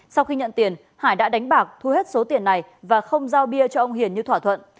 sau khi nhận tiền hải đã đánh bạc thua hết số tiền này và không giao bia cho ông hiền như thỏa thuận